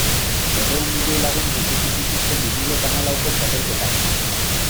Berrehun milioi lagunek ikusi zituzten bi mila eta hamalauko txapelketak.